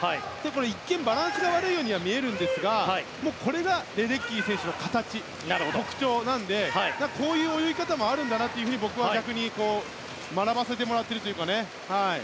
一見、バランスが悪いように見えるんですがこれがレデッキー選手の形特徴なのでこういう泳ぎ方もあると僕は逆に学ばせてもらってるというか。